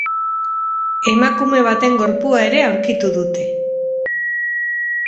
Emakume baten gorpua ere aurkitu dute.